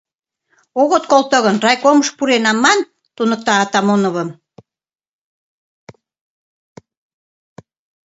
— Огыт колто гын, райкомыш пурена, ман, — туныкта Атамановым.